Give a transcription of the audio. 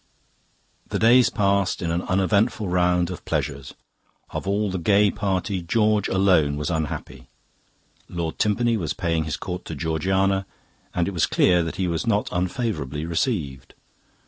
"The days passed in an uneventful round of pleasures. Of all the gay party George alone was unhappy. Lord Timpany was paying his court to Georgiana, and it was clear that he was not unfavourably received.